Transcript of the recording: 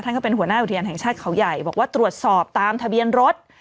ก็เป็นหัวหน้าอุทยานแห่งชาติเขาใหญ่บอกว่าตรวจสอบตามทะเบียนรถ